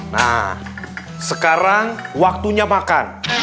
nah sekarang waktunya makan